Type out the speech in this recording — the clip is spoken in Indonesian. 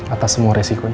atas semua resikonya